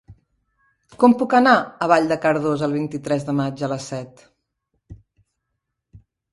Com puc anar a Vall de Cardós el vint-i-tres de maig a les set?